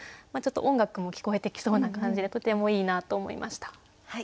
ちょっと音楽も聞こえてきそうな感じでとてもいいなと思いました。